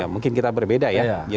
mungkin kita berbeda ya